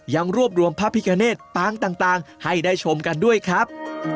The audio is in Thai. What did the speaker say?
ยังรวบรวมพระพิกาเนตปางต่างให้ได้ชมกันด้วยครับ